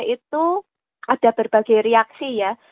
itu ada berbagai reaksi ya